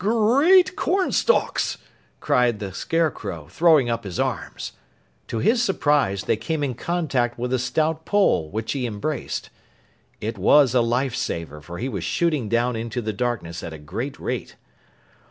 "Gr eat cornstalks!" cried the Scarecrow, throwing up his arms. To his surprise, they came in contact with a stout pole, which he embraced. It was a lifesaver, for he was shooting down into the darkness at a great rate.